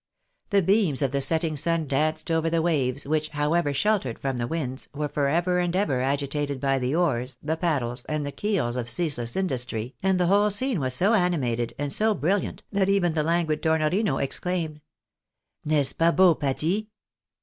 The beams of the setting sun danced over the waves which, however sheltered from the winds, were for ever and ever agitated by the oars, the paddles, and the keels of ceaseless in dustry, and the whole scene was so animated, and so brilliant, that even the languid Tornorino exclaimed —" N^est ce pas beau, Patti